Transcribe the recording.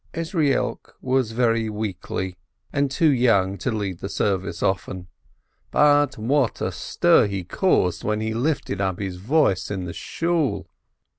Ezrielk was very weakly, and too young to lead the service often, but what a stir he caused when he lifted up his voice in the Shool